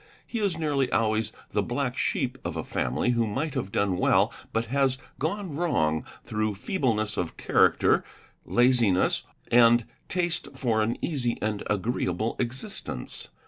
He is nearly always the black sheep of a family who might have done well but has gone wrong through feebleness of character, laziness, and taste for an easy and agreeable existence.